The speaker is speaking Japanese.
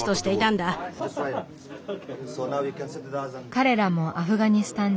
彼らもアフガニスタン人。